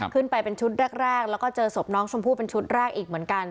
ไปเป็นชุดแรกแล้วก็เจอศพน้องชมพู่เป็นชุดแรกอีกเหมือนกัน